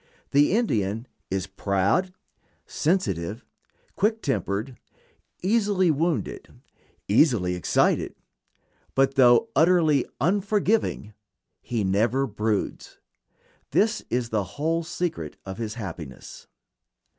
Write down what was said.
The Indian is proud, sensitive, quick tempered, easily wounded, easily excited; but though utterly unforgiving, he never broods. This is the whole secret of his happiness.